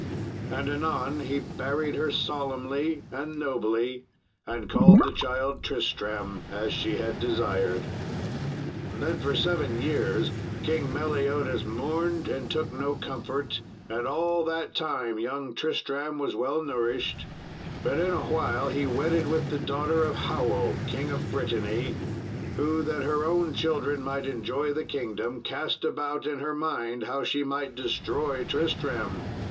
And anon he buried her solemnly and nobly, and called the child Tristram as she had desired. Then for seven years King Meliodas mourned and took no comfort, and all that time young Tristram was well nourished; but in a while he wedded with the daughter of Howell, King of Brittany, who, that her own children might enjoy the kingdom, cast about in her mind how she might destroy Tristram.